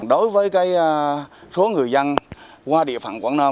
đối với số người dân qua địa phận quảng nam